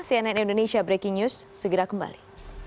cnn indonesia breaking news segera kembali